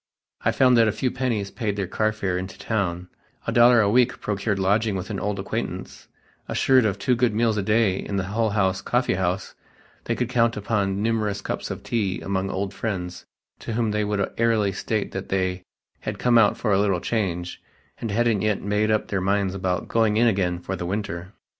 I found that a few pennies paid their car fare into town, a dollar a week procured lodging with an old acquaintance; assured of two good meals a day in the Hull House coffee house they could count upon numerous cups of tea among old friends to whom they would airily state that they had "come out for a little change" and hadn't yet made up their minds about "going in again for the winter."